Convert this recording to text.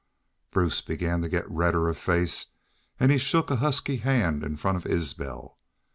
"Bruce began to git redder of face, an' he shook a husky hand in front of Isbel.